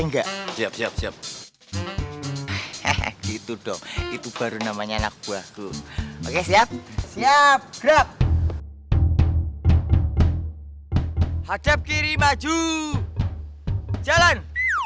enggak siap siap gitu dong itu baru namanya anak buahku oke siap siap gelap hajab kiri maju jalan